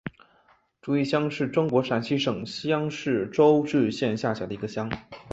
竹峪乡是中国陕西省西安市周至县下辖的一个乡。